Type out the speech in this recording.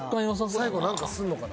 最後なんかするのかな？